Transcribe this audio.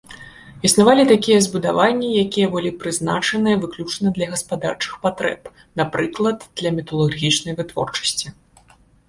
Існавалі такія збудаванні, якія былі прызначаныя выключна для гаспадарчых патрэб, напрыклад, для металургічнай вытворчасці.